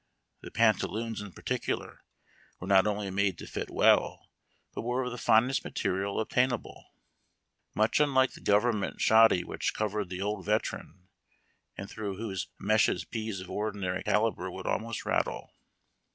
The pantaloons in particular were not only made to fit well, but were of the finest material obtainable, much unlike the government shoddy which covered the old veteran, and through whose meshes peas of ordinary calibre Avould almost rattle.